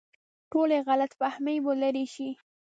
ټولې غلط فهمۍ به لرې شي.